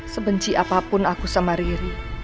sebenci apapun aku sama riri